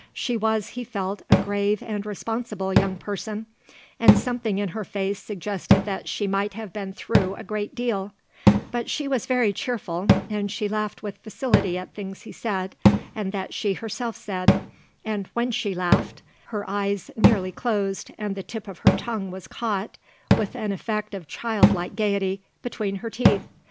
She was, he felt, a grave and responsible young person, and something in her face suggested that she might have been through a great deal; but she was very cheerful and she laughed with facility at things he said and that she herself said; and when she laughed her eyes nearly closed and the tip of her tongue was caught, with an effect of child like gaiety, between her teeth.